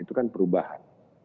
itu kan perubahan